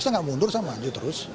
saya nggak mundur saya maju terus